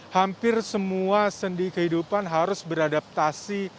hampir semua sendi kehidupan harus beradaptasi